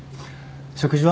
食事は？